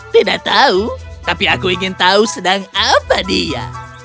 tidak tahu tapi aku ingin tahu sedang apa dia